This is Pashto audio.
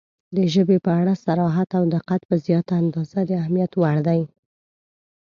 • د ژبې په اړه صراحت او دقت په زیاته اندازه د اهمیت وړ دی.